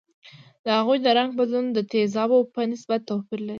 د هغوي د رنګ بدلون د تیزابو په نسبت توپیر لري.